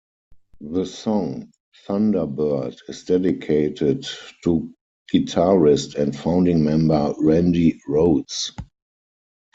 The song "Thunderbird" is dedicated to guitarist and founding member Randy Rhoads.